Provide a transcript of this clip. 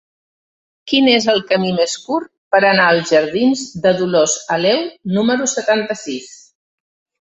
Quin és el camí més curt per anar als jardins de Dolors Aleu número setanta-sis?